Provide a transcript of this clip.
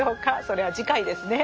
それは次回ですね。